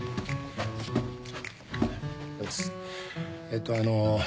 えっとあの。